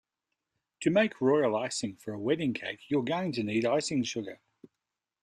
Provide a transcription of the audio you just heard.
To make royal icing for a wedding cake you’re going to need icing sugar